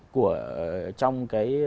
của trong cái